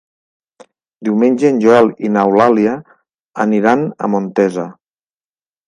Diumenge en Joel i n'Eulàlia aniran a Montesa.